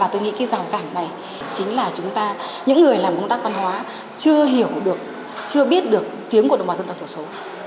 tôi nghĩ cái rào cản này chính là chúng ta những người làm công tác văn hóa chưa hiểu được chưa biết được tiếng của đồng bào dân tộc thiểu số